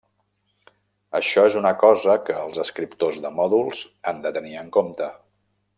Això és una cosa que els escriptors de mòduls han de tenir en compte.